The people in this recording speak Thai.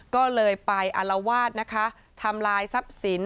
ก็เลยไปอารวาสนะคะทำลายทรัพย์สิน